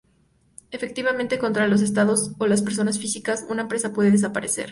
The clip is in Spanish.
Efectivamente, contra los Estados o las personas físicas, una empresa puede desaparecer.